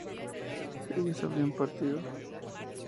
¿ellas habrían partido?